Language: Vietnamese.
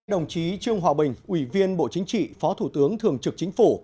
đồng chí trương hòa bình ủy viên bộ chính trị phó thủ tướng thường trực chính phủ